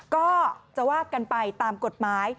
ก็จะว่ากันไปตามกฎหมาย